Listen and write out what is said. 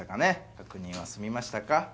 確認はすみましたか？